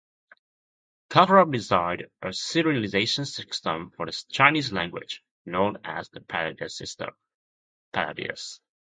Kafarov designed a Cyrillization system for the Chinese language, known as the Palladius system.